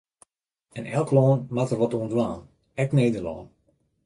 En elk lân moat der wat oan dwaan, ek Nederlân.